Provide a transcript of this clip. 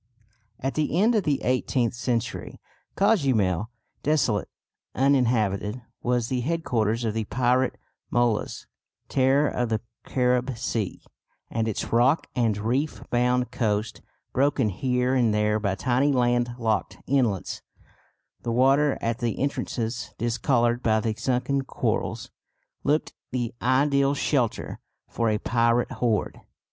At the end of the eighteenth century Cozumel, desolate, uninhabited, was the headquarters of the pirate Molas, terror of the Carib Sea; and its rock and reef bound coast, broken here and there by tiny land locked inlets, the water at the entrances discoloured by the sunken corals, looked the ideal shelter for a pirate horde.